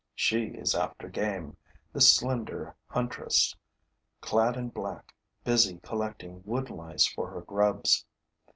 She is after game, this slender huntress, clad in black, busy collecting wood lice for her grubs.